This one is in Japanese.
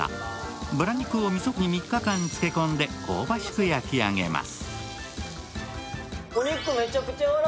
バラ肉をみそに３日間漬け込んで香ばしく焼き上げます。